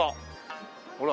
ほら。